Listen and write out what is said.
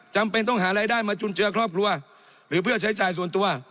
จำเป็นต้องหารายได้มาจุนเจือครอบครัวหรือเพื่อใช้จ่ายส่วนตัว